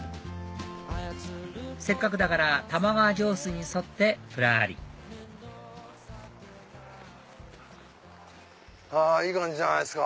せっかくだから玉川上水に沿ってぶらりあいい感じじゃないっすか